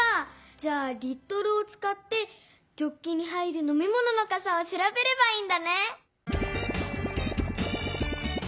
じゃあ「リットル」をつかってジョッキに入るのみものの「かさ」をしらべればいいんだね！